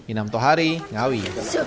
inam tohari ngawi